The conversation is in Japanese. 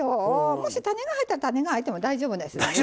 もし種が入ったら種が入っても大丈夫ですのでね。